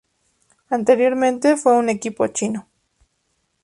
Anteriormente fue un equipo chino.